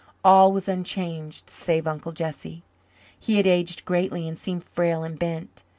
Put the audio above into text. All was unchanged save Uncle Jesse. He had aged greatly and seemed frail and bent.